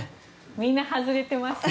みんな外れてました。